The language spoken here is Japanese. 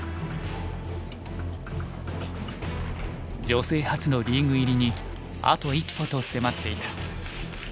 女性初のリーグ入りにあと一歩と迫っていた。